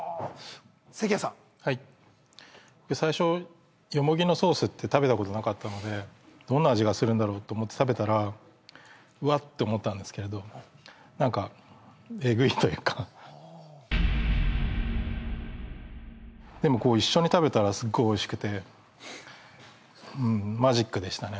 関谷さんはい最初よもぎのソースって食べたことなかったのでどんな味がするんだろうって思って食べたらうわって思ったんですけれどでも一緒に食べたらすっごいおいしくてマジックでしたね